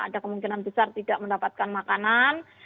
ada kemungkinan besar tidak mendapatkan makanan